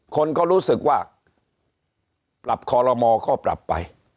คนก็รู้สึกว่าปรับคอลโลมอก็ปรับไป